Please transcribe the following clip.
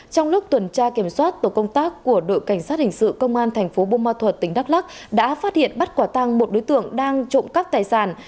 trong lúc tuần tra kiểm soát tổ công tác của đội cảnh sát hình sự công an thành phố bô ma thuật tỉnh đắk lắc đã phát hiện bắt quả tăng một đối tượng đang trộm cắp tài sản